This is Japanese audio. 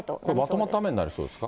まとまった雨になりそうですか。